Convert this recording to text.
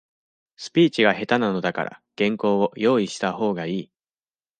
スピーチが下手なのだから、原稿を、用意したほうがいい。